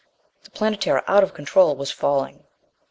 The Planetara, out of control, was falling!